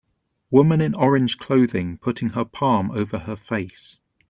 Woman in orange clothing putting her palm over her face.